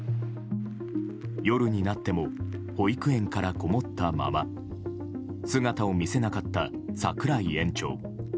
夜になっても保育園からこもったまま姿を見せなかった櫻井園長。